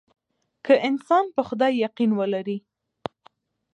که انسان په خدای يقين ولري.